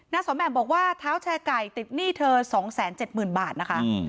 สมแหม่มบอกว่าเท้าแชร์ไก่ติดหนี้เธอ๒๗๐๐๐บาทนะคะ